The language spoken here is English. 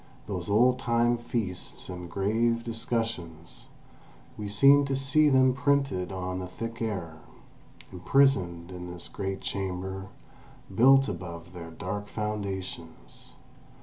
Those old time feasts and grave discussions —we seemed to see them printed on the thick air, imprisoned in this great chamber built above their dark foundations.